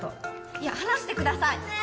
いや離してください！ねぇ